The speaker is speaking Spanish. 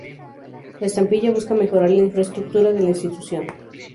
La estampilla busca mejorar la infraestructura de la institución.